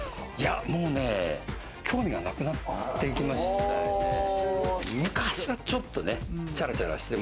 もうね、興味がなくなってきまして。